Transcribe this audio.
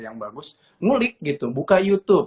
yang bagus ngulik gitu buka youtube